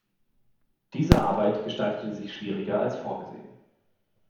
Diese Arbeit gestaltete sich schwieriger als vorgesehen.